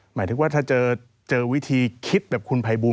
หมายถึงว่าถ้าเจอวิธีคิดแบบคุณภัยบูล